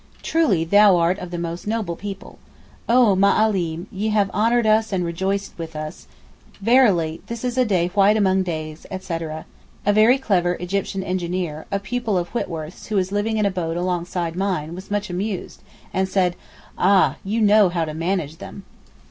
'Truly thou art of the most noble people.' 'Oh Ma allim, ye have honoured us and rejoiced us,' 'Verily this is a day white among days,' etc. A very clever Egyptian engineer, a pupil of Whitworth's, who is living in a boat alongside mine, was much amused, and said, 'Ah you know how to manage 'em.